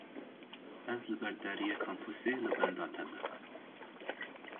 Ez li ber deriyê kampusê li benda te me.